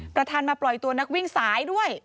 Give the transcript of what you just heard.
ประธานมาปล่อยตัวนักวิ่งสายด้วย